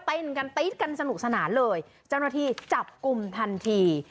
เต้นกันตี๊ดกันสนุกสนานเลยเจ้าหน้าที่จับกลุ่มทันที